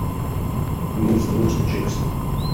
Who Moves the Movers and Shakers.